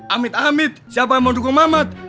amit amit siapa yang mau dukung mamat